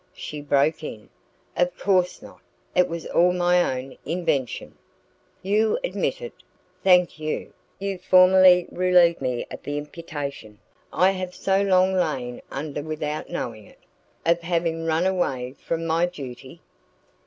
she broke in. "Of course not. It was all my own invention." "You admit it? Thank you. You formally relieve me of the imputation I have so long lain under without knowing it, of having run away from my duty?"